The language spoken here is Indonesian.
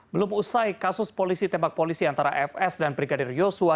belum usai kasus polisi tembak polisi antara fs dan brigadir yosua